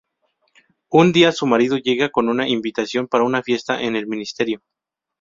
Un día su marido llega con una invitación para una fiesta en el Ministerio.